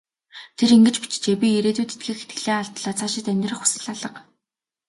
Тэр ингэж бичжээ: "Би ирээдүйд итгэх итгэлээ алдлаа. Цаашид амьдрах хүсэл алга".